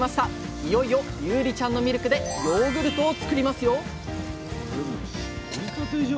いよいよユウリちゃんのミルクでヨーグルトを作りますよ！